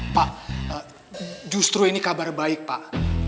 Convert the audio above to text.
pak justru ini kabar baik pak